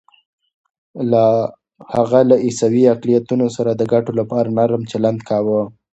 هغه له عیسوي اقلیتونو سره د ګټو لپاره نرم چلند کاوه.